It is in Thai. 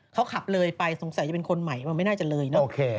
เขาขับเลยไปสงสัยจะเป็นคนใหม่มันไม่น่าจะเลยเนอะ